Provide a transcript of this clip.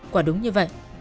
quả đúng như vậy